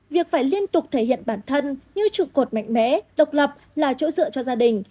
việc phải liên tục thể hiện bản thân như trụ cột mạnh mẽ độc lập là chỗ dựa cho gia đình